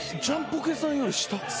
ジャンポケさんより下？